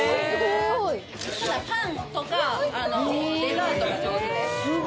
パンとかデザートが上手です。